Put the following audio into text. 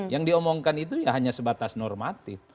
yang diomongkan itu ya hanya sebatas normatif